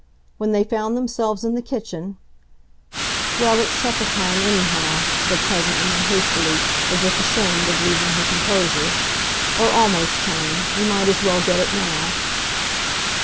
When they found themselves in the kitchen—"Well, it's suppertime, anyhow," said Cousin Ann hastily, as if ashamed of losing her composure, "or almost time. We might as well get it now."